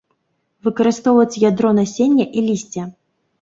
Выкарыстоўваюць ядро насення і лісця.